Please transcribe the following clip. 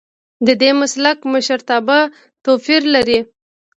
ددې مسلک مشرتابه توپیر لري.